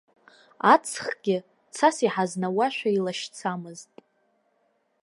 Аҵхгьы, цас иҳазнауазшәа, илашьцамызт.